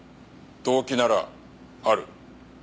動機ならある。